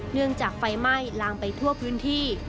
เนื่องจากไฟไหม้ลางไปทั่วพื้นที่